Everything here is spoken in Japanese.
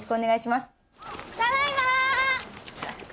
ただいま。